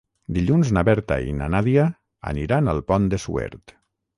Dilluns na Berta i na Nàdia aniran al Pont de Suert.